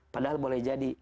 padahal boleh jadi